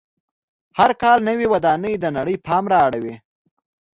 هر کال نوې ودانۍ د نړۍ پام را اړوي.